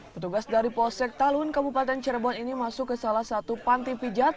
petugas dari polsek talun kabupaten cirebon ini masuk ke salah satu panti pijat